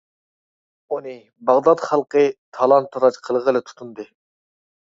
ئۇنى باغدات خەلقى تالان-تاراج قىلغىلى تۇتۇندى.